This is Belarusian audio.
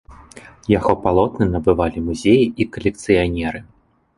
Яго палотны набывалі музеі і калекцыянеры.